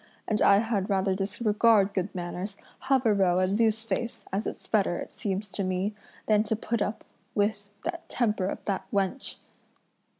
and I had rather disregard good manners, have a row and lose face, as it's better, it seems to me, than to put up with the temper of that wench!"